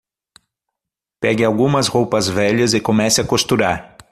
Pegue algumas roupas velhas e comece a costurar